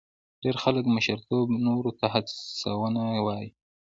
ډېر خلک مشرتوب نورو ته هڅونه وایي.